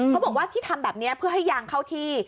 เขาบอกว่าที่ทำแบบนี้เพื่อให้ยางเข้าที่